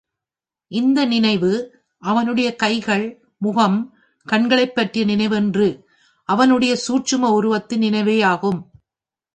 இந்த நினைவு, அவனுடைய கைகள், முகம், கண்களைப்பற்றிய நினைவன்று அவனுடைய சூட்சும உருவத்தின் நினைவே யாகும்.